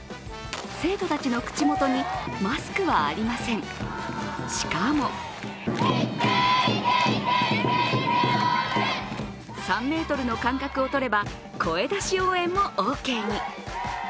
生徒たちの口元にマスクはありません、しかも３ｍの間隔をとれば、声出し応援もオーケーに。